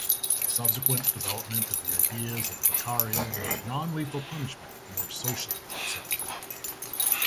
Subsequent development of the ideas of Beccaria made non-lethal punishment more socially acceptable.